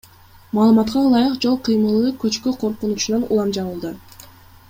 Маалыматка ылайык, жол кыймылы көчкү коркунучунан улам жабылды.